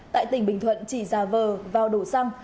tại tỉnh bình thuận trị gia vờ vào đổ răng